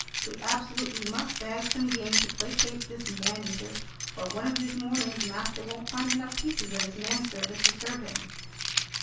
We absolutely must bag some game to placate this man eater, or one of these mornings master won't find enough pieces of his manservant to serve him."